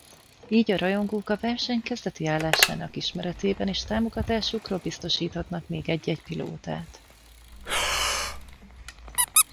Így a rajongók a verseny kezdeti állásának ismeretében is támogatásukról biztosíthatnak még egy-egy pilótát.